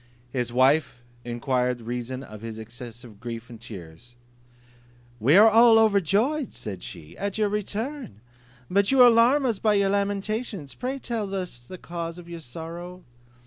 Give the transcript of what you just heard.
His wife enquire reason of his excessive grief and tears; "We are all overjoyed," said she, "at your return; but you alarm us by your lamentations; pray tell us the cause of your sorrow."